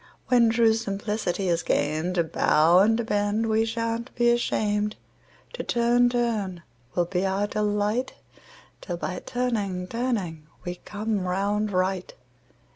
When true simplicity is gain'd, To bow and to bend we shan't be asham'd, To turn, turn will be our delight 'Till by turning, turning we come round right.